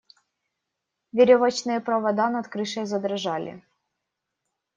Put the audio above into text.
Веревочные провода над крышей задрожали.